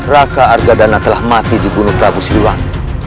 raka argadana telah mati dibunuh prabu siluang